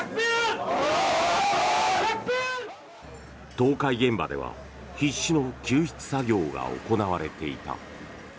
倒壊現場では必死の救出作業が行われていた。